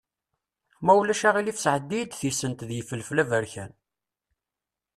Ma ulac aɣilif sɛeddi-yi-d tisent d yifelfel aberkan.